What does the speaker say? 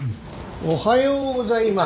おはようございます。